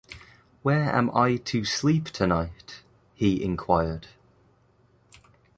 ‘Where am I to sleep tonight?’ he inquired.